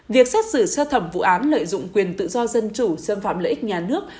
việc xét xử sơ thẩm vụ án lợi dụng quyền tự do dân chủ xâm phạm lợi ích nhà nước